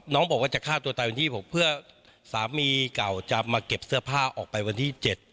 บอกว่าจะฆ่าตัวตายวันที่๖เพื่อสามีเก่าจะมาเก็บเสื้อผ้าออกไปวันที่๗